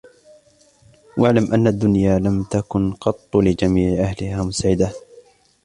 وَاعْلَمْ أَنَّ الدُّنْيَا لَمْ تَكُنْ قَطُّ لِجَمِيعِ أَهْلِهَا مُسْعِدَةً